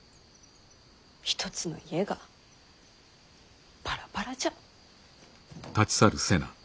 一つの家がバラバラじゃ。